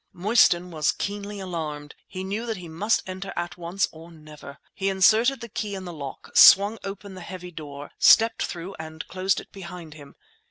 Mostyn was keenly alarmed; he knew that he must enter at once or never. He inserted the key in the lock, swung open the heavy door, stepped through and closed it behind him.